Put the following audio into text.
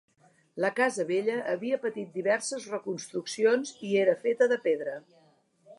La casa vella havia patit diverses reconstruccions i era feta de pedra.